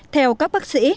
theo các bác sĩ